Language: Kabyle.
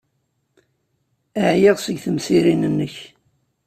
Ɛyiɣ seg temsirin-nnek.